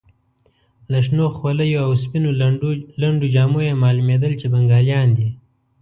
له شنو خولیو او سپینو لنډو جامو یې معلومېدل چې بنګالیان دي.